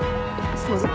すいません。